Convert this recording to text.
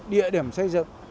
địa điểm xây dựng